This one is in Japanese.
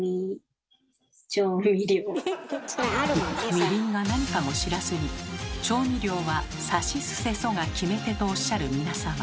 みりんが何かも知らずに調味料は「さしすせそ」が決め手とおっしゃる皆様。